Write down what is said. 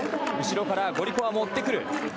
後ろからゴリコワも追ってくる。